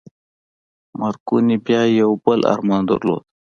مارکوني بيا يو بل ارمان درلود.